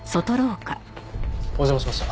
お邪魔しました。